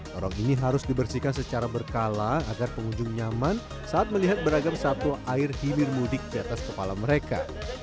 lorong ini harus dibersihkan secara berkala agar pengunjung nyaman saat melihat beragam satwa air hilir mudik di atas kepala mereka